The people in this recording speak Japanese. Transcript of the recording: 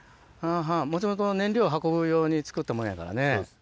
もともと燃料運ぶ用に作ったもんやからね。